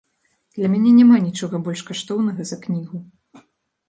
Для мяне няма нічога больш каштоўнага за кнігу.